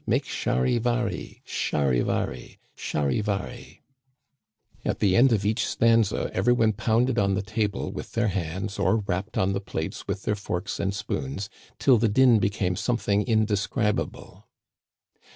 Make Charivari ! Charivari ! Charivari !" At the end of each stanza every one pounded on the table with their hands or rapped on the plates with their forks and spoons, till the din became something indescribable.